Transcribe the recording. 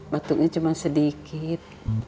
batuknya cuma sedikit